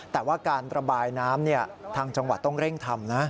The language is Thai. แต่ว่าการระบายน้ำทางจังหวัดต้องเร่งทำนะ